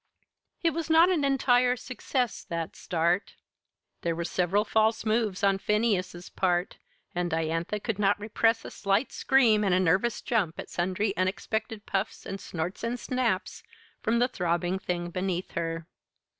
It was not an entire success that start. There were several false moves on Phineas's part, and Diantha could not repress a slight scream and a nervous jump at sundry unexpected puffs and snorts and snaps from the throbbing thing beneath her.